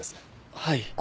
はい。